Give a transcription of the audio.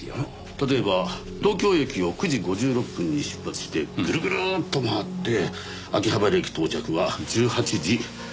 例えば東京駅を９時５６分に出発してぐるぐるっと回って秋葉原駅到着は１８時３９分。